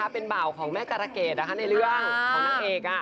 เป็นเบาของแม่กระเกดนะคะในเรื่องของนักเอก